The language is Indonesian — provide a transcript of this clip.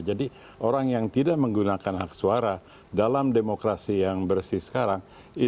jadi orang yang tidak menggunakan hak suara dalam demokrasi yang bersih sekarang